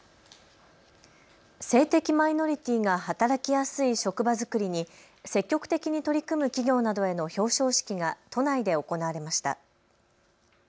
性的マイノリティーが働きやすい職場作りに積極的に取り組む企業などへの表彰式が都内で行われました。